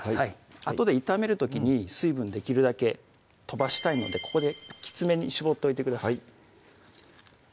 あとで炒める時に水分できるだけ飛ばしたいのでここできつめに絞っといてください